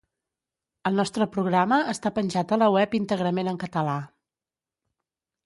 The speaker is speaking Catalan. El nostre programa està penjat a la web íntegrament en català.